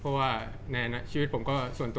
จากความไม่เข้าจันทร์ของผู้ใหญ่ของพ่อกับแม่